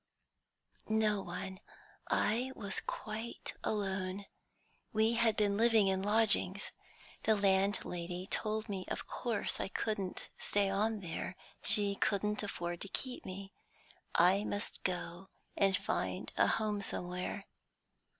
"No one; I was quite alone. We had been living in lodgings. The landlady told me that of course I couldn't stay on there; she couldn't afford to keep me; I must go and find a home somewhere.